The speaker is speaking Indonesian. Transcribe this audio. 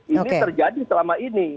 ini terjadi selama ini